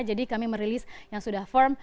jadi kami merilis yang sudah form